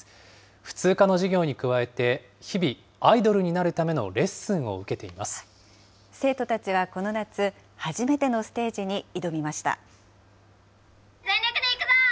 普通科の授業に加えて、日々、アイドルになるためのレッスンを受生徒たちはこの夏、初めての全力でいくぞ！